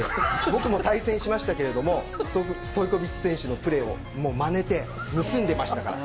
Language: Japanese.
僕も対戦しましたがストイコヴィッチ選手のプレーをまねて、盗んでましたから。